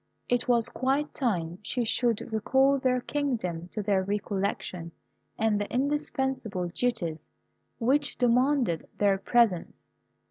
It was quite time she should recall their kingdom to their recollection and the indispensable duties which demanded their presence.